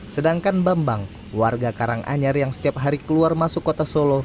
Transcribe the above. sedangkan bambang warga karanganyar yang setiap hari keluar masuk kota solo